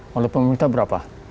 walaupun minta berapa